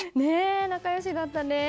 仲良しだったね。